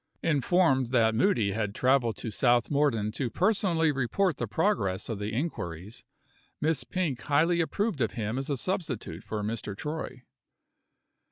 Informed that Moody had travelled to South Morden to personally report the progress of the inquiries, Miss Pink highly approved of him as a substitute for Mr. Troy.